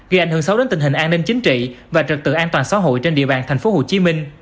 gây ảnh hưởng xấu đến tình hình an ninh chính trị và trật tự an toàn xã hội trên địa bàn tp hcm